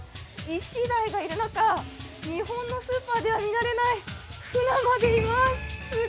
イシダイがいる中、日本のスーパーでは見られないフナまでいます。